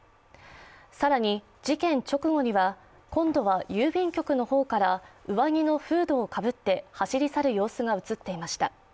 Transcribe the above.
更に事件直後には今度は郵便局の方から上着のフードをかぶって走り去る様子が映っていました。